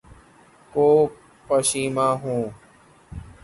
کو پشیماں ہوں